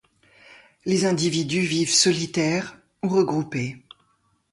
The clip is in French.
Les individus vivent solitaires ou regroupés.